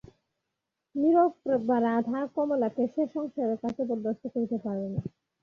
নিরপরাধা কমলাকে সে সংসারের কাছে অপদস্থ করিতে পারে না।